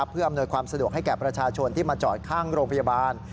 เพื่ออำนวยความสะดวกให้แก่ประชาชนที่มาจอดข้างโรงพยาบาล